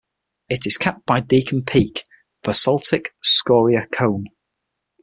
It is capped by Deacon Peak, a basaltic scoria cone.